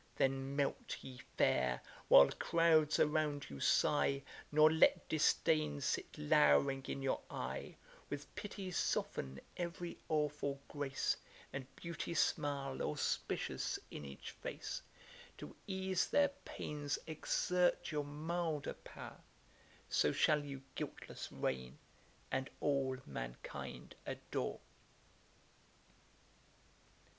Then melt, ye fair, while crouds around you sigh, Nor let disdain sit lowring in your eye; With pity soften every awful grace, And beauty smile auspicious in each face; To ease their pains exert your milder power, So shall you guiltless reign, and all mankind adore.' [Page 57: His wide reading. ÆTAT. 19.